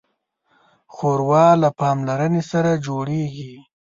ښوروا له پاملرنې سره جوړیږي.